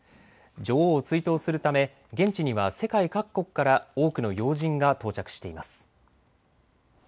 女王を追悼するため、現地には世界各国から多くの要人が到着しています。